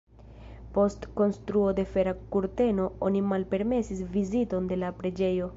Post konstruo de Fera kurteno oni malpermesis viziton de la preĝejo.